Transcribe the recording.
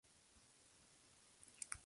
Pueblos de Segovia